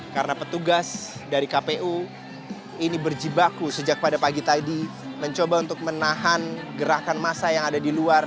karena petugas dari kpu ini berjibaku sejak pada pagi tadi mencoba untuk menahan gerakan masa yang ada di luar